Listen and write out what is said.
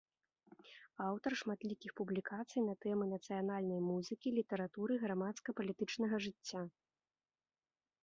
Аўтар шматлікіх публікацый на тэмы нацыянальнай музыкі, літаратуры, грамадска-палітычнага жыцця.